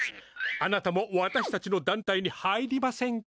あなたもわたしたちの団体に入りませんか？